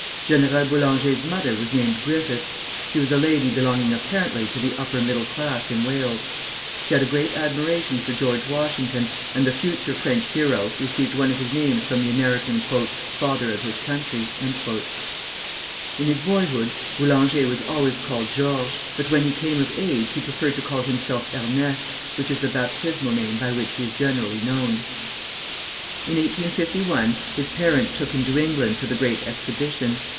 General Boulanger's mother was named Griffith; she was a lady belonging apparently to the upper middle class in Wales. She had a great admiration for George Washington, and the future French hero received one of his names from the American "father of his country." In his boyhood Boulanger was always called George; but when he came of age he preferred to call himself Ernest, which is the baptismal name by which he is generally known. [Footnote 1: Turner, Life of Boulanger.] In 1851 his parents took him to England to the Great Exhibition.